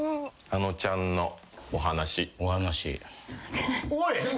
あのちゃんのお話。